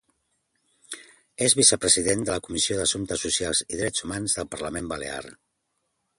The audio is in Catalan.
És vicepresident de la Comissió d'Assumptes Socials i Drets Humans del Parlament Balear.